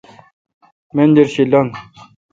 منجرشی لنگ۔